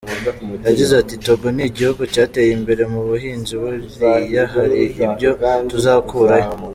Yagize ati “Togo ni igihugu cyateye imbere mu buhinzi, buriya hari ibyo tuzakurayo.